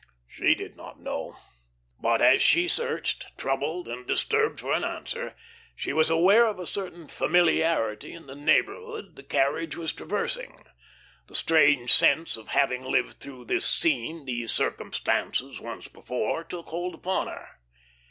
She did not know. But as she searched, troubled and disturbed for an answer, she was aware of a certain familiarity in the neighbourhood the carriage was traversing. The strange sense of having lived through this scene, these circumstances, once before, took hold upon her.